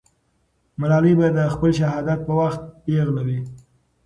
ملالۍ به د خپل شهادت په وخت پېغله وي.